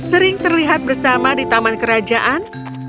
sering terlihat bersama di taman kerajaan